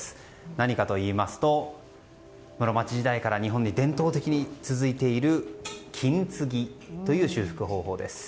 何かといいますと室町時代から日本に伝統的に続いている金継ぎという手法です。